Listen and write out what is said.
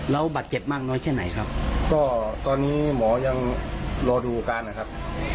แล้วบาดเจ็บมากน้อยแค่ไหนครับก็ตอนนี้หมอยังรอดูอาการนะครับ